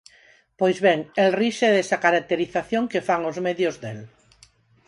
Pois ben, el rise desa caracterización que fan os medios del.